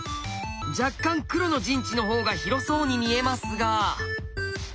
若干黒の陣地の方が広そうに見えますが。